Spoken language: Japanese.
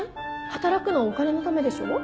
働くのはお金のためでしょ？